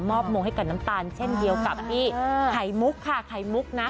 มงให้กับน้ำตาลเช่นเดียวกับพี่ไข่มุกค่ะไข่มุกนะ